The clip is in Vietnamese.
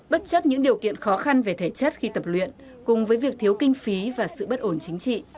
bất chấp những điều kiện khó khăn về thể chất khi tập luyện cùng với việc thiếu kinh phí và sự bất ổn chính trị